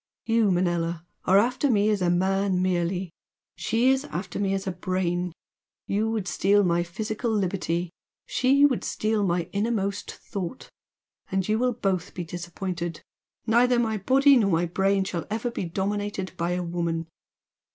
You, Manella, are after me as a man merely she is after me as a Brain! You would steal my physical liberty, she would steal my innermost thought! And you will both be disappointed! Neither my body nor my brain shall ever be dominated by any woman!"